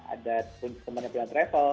ada teman yang bilang travel